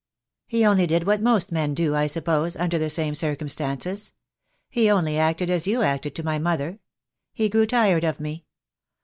"He only did what most men do, I suppose, under the same circumstances. He only acted as you acted to my mother. He grew tired of me.